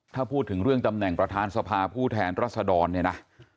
ถ้าพูดถึงเรื่องตำแหน่งประธานสภาผู้แทนรัศดรเนี่ยนะ